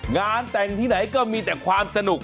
งานแต่งที่ไหนก็มีแต่ความสนุก